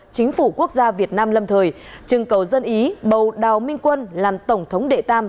chính phủ quốc gia việt nam lâm thời chừng cầu dân ý bầu đào minh quân làm tổng thống đệ tam